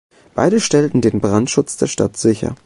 Beide stellten den Brandschutz der Stadt sicher.